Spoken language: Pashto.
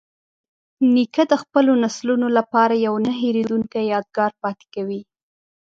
نیکه د خپلو نسلونو لپاره یوه نه هیریدونکې یادګار پاتې کوي.